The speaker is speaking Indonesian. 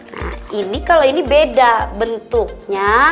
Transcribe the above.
nah ini kalau ini beda bentuknya